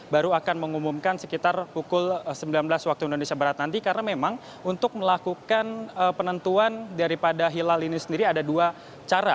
baru akan mengumumkan sekitar pukul sembilan belas waktu indonesia barat nanti karena memang untuk melakukan penentuan daripada hilal ini sendiri ada dua cara